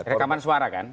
rekaman suara kan